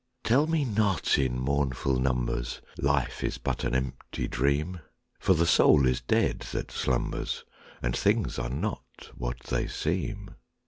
Tell me not, in mournful numbers, Life is but an empty dream! For the soul is dead that slumbers, And things are not what they seem.